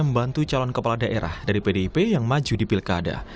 membantu calon kepala daerah dari pdip yang maju di pilkada